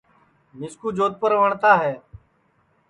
مِسکُو جودپُور وٹؔتا ہے